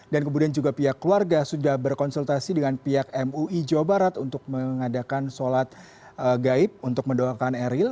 dan kemudian juga pihak keluarga sudah berkonsultasi dengan pihak mui jawa barat untuk mengadakan sholat gaib untuk mendoakan emeril